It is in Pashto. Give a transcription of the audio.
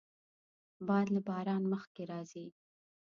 باد له باران مخکې راځي